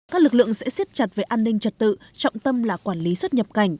các lực lượng sẽ siết chặt về an ninh trật tự trọng tâm là quản lý xuất nhập cảnh